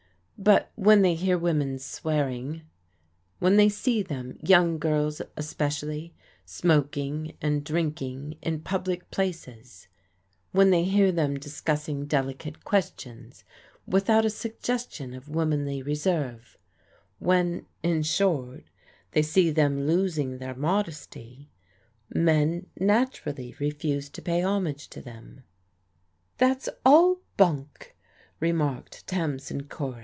But when they hear women swear ing; when they see them, young girls especially, smoking and drinking in public places; when they hear them dis cussing delicate questions without a suggestion of womanly reserve; when, in short, they see them losing their modesty, men naturally refuse to pay homage to them." That's all bunk," remarked Tamsin Cory.